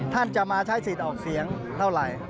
ท่านจะมาใช้สิทธิ์ออกเสียงเท่าไหร่